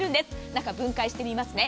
中、分解してみますね。